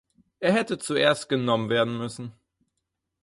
Er hätte zuerst genommen werden müssen.